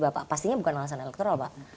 bapak pastinya bukan alasan elektoral pak